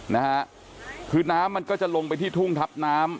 นะฮะคือน้ำมันก็จะลงไปที่ทุ่งทับน้ำ